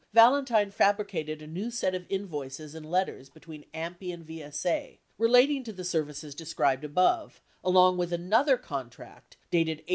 Valentine fabricated a new set of invoices and letters between AMPI and VSA relating to the services described above, along with another contract dated April 29, 1971.